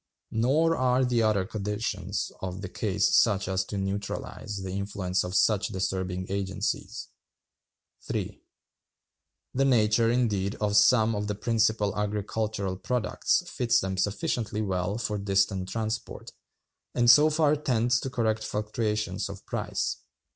Nor are the other conditions of the case such as to neutralize the influence of such disturbing agencies. (3.) The nature, indeed, of some of the principal agricultural products fits them sufficiently well for distant transport, and so far tends to correct fluctuations of price.